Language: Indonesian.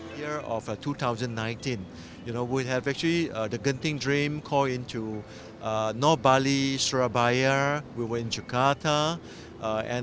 tahun dua ribu sembilan belas kita memiliki impian genting yang menyebutkan ke bali surabaya jakarta dan lainnya di medan